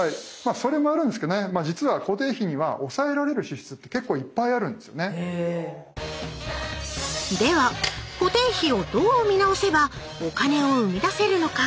それもあるんですけどねでは固定費をどう見直せばお金をうみだせるのか？